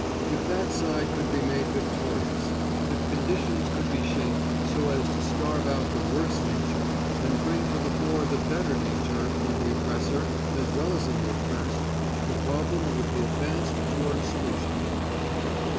If that side could be made victorious, if conditions could be shaped so as to starve out the worse nature and bring to the fore the better nature in the oppressor as well as in the oppressed, the problem would be advanced toward a solution.